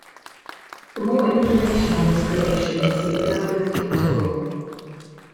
For more information on this creation, see Earl of Kintore.